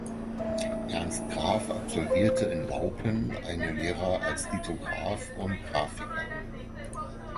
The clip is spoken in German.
Ernst Graf absolvierte in Laupen eine Lehre als Lithograf und Grafiker.